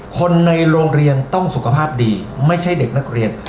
คนในโรงเรียนต้องสุขภาพดีไม่ใช่เด็กนักเรียน